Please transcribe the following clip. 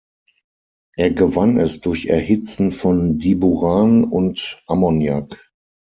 Er gewann es durch Erhitzen von Diboran und Ammoniak.